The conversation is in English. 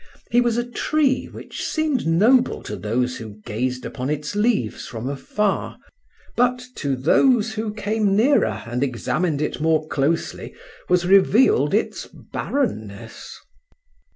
He was a tree which seemed noble to those who gazed upon its leaves from afar, but to those who came nearer and examined it more closely was revealed its barrenness.